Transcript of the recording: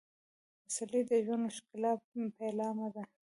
پسرلی د ژوند او ښکلا پیلامه ده.